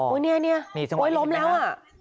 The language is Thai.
อู้ยเนี่ยล้มแล้วอ่ะ